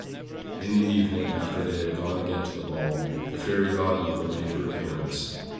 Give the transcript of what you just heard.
In the evening after they had gone again to the ball, the Fairy Godmother made her appearance.